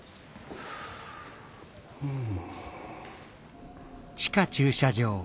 うん。